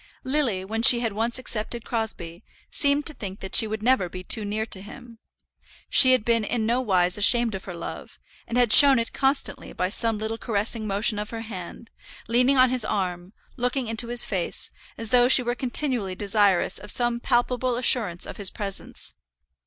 Lily, when she had once accepted Crosbie, seemed to think that she could never be too near to him. She had been in no wise ashamed of her love, and had shown it constantly by some little caressing motion of her hand, leaning on his arm, looking into his face, as though she were continually desirous of some palpable assurance of his presence.